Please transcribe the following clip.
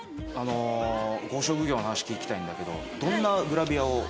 ご職業の話聞きたいんだけどどんなグラビアを？